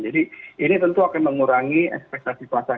jadi ini tentu akan mengurangi ekspektasi pasar